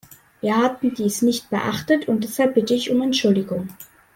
Wir hatten dies nicht beachtet, und deshalb bitte ich um Entschuldigung.